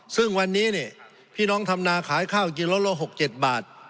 ซึ่งวันนี้พี่น้องทำนาขายข้าวจริงละละ๖๗บาท